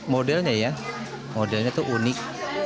modelnya ya modelnya tuh unik